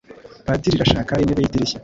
Padiri rashaka intebe yidirishya?